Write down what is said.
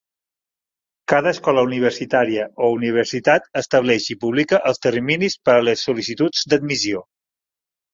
Cada escola universitària o universitat estableix i publica els terminis per a les sol.licituds d'admissió.